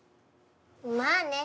まあね。